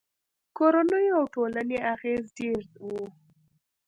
کورنیو او ټولنې اغېز ډېر و.